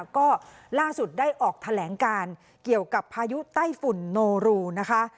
ก็ล่าสุดได้ออกแถลงการเกี่ยวกับพายุไต้ฝุ่นโนรูนะคะ